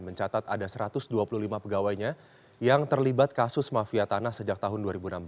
mencatat ada satu ratus dua puluh lima pegawainya yang terlibat kasus mafia tanah sejak tahun dua ribu enam belas